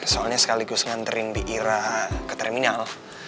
soalnya sekaligus nganterin bi'irah ke terminal